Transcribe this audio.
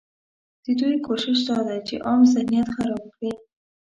ددوی کوشش دا دی چې عام ذهنیت خراب کړي